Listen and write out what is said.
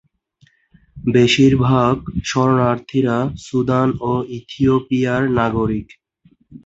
বেশিরভাগ শরণার্থীরা সুদান ও ইথিওপিয়ার নাগরিক।